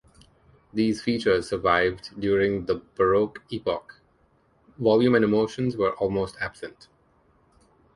These features survived during the Baroque epoch: volume and emotions were almost absent.